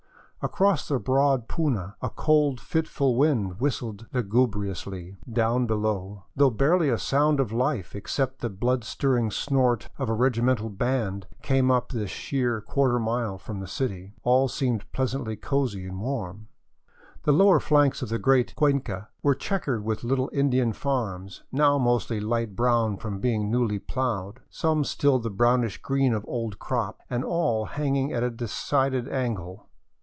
Across the broad puna a cold, fitful wind whistled lugubriously ; down below, though barely a sound of life except the blood stirring snort of a regimental band came up this sheer quarter mile from the city, all seemed pleasantly cozy and warm. The lower flanks of the great cuenca were checkered with little Indian farms, now mostly light brown from being newly plowed, some still the brownish green of old crops, and all hanging at a decided angle.